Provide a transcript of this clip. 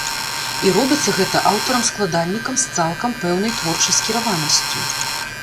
І робіцца гэта аўтарам-складальнікам з цалкам пэўнай творчай скіраванасцю.